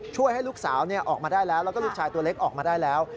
ช่วยให้ลูกสาวออกมาได้แล้วแล้วก็ลูกชายตัวเล็กออกมาได้แล้ว